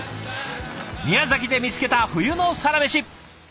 宮崎で見つけた冬のサラメシ！